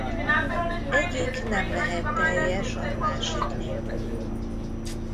Egyik nem lehet teljes a másik nélkül.